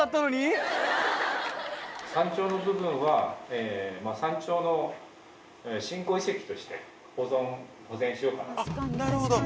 山頂の部分は山頂の信仰遺跡として保存保全しようかな。